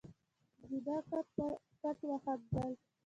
زېبا کټ کټ وخندل.